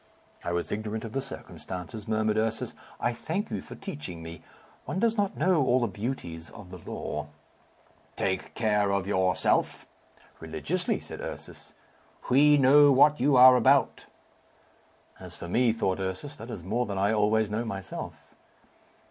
"I was ignorant of the circumstance," murmured Ursus. "I thank you for teaching me. One does not know all the beauties of the law." "Take care of yourself." "Religiously," said Ursus. "We know what you are about." "As for me," thought Ursus, "that is more than I always know myself."